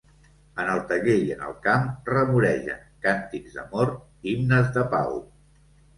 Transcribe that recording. En el taller i en el camp remoregen, càntics d'amor, himnes de pau!